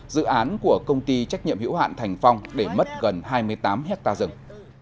dự án của công ty trách nhiệm hiểu hạn thành phong để mất gần hai mươi tám ha rừng